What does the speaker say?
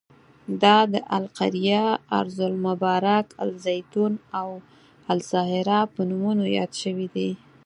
دا د القریه، ارض المبارک، الزیتون او الساهره په نومونو یاد شوی.